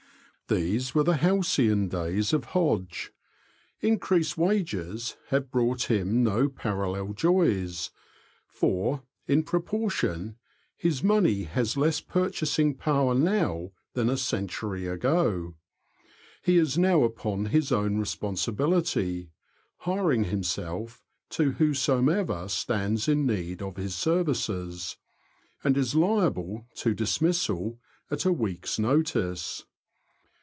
These were the halcyon days of Hodge. Increased wages have brought him no parallel joys, for, in pro portion, his money has less purchasing power now than a century ago. He is now upon his own responsibiHty, hiring himself to whomsoever stands in need of his services, and is liable to dismissal at a week's notice.